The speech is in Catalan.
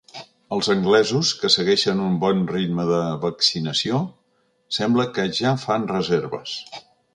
Els anglesos, que segueixen un bon ritme de vaccinació, sembla que ja fan reserves.